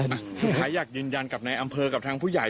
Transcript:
สินค้าอย่างแยกยืนยันในอำเภอกับทางผู้ใหญ่